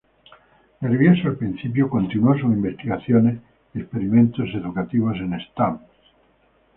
Nervioso al principio, continuó sus investigaciones y experimentos educativos en Stans.